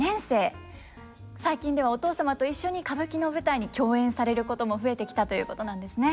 最近ではお父様と一緒に歌舞伎の舞台に共演されることも増えてきたということなんですね。